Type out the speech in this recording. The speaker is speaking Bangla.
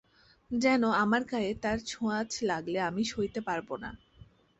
যেন আমার গায়ে তার ছোঁয়াচ লাগলে আমি সইতে পারব না।